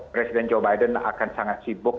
presiden joe biden akan sangat sibuk